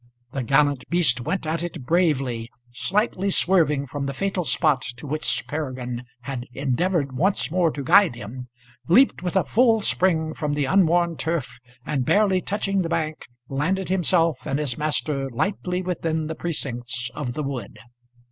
The gallant beast went at it bravely, slightly swerving from the fatal spot to which Peregrine had endeavoured once more to guide him, leaped with a full spring from the unworn turf, and, barely touching the bank, landed himself and his master lightly within the precincts of the wood.